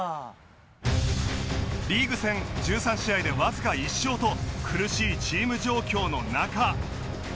リーグ戦１３試合でわずか１勝と苦しいチーム状況の中